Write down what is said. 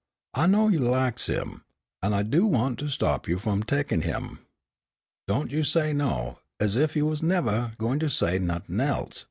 I know you laks him, an' I do' want to stop you f'om tekin' him. Don't you say no, ez ef you wasn' nevah gwine to say nothin' else.